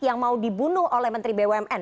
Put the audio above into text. yang mau dibunuh oleh menteri bumn